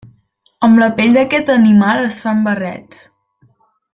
Amb la pell d'aquest animal es fan barrets.